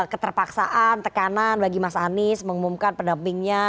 keterpaksaan tekanan bagi mas anies mengumumkan pendampingnya